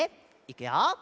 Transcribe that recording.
いくよ。